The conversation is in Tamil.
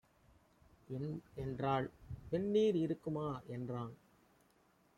என்றாள். "வெந்நீர் இருக்குமா" என்றான்.